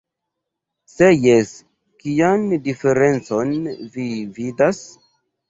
Se jes, kian diferencon vi vidas?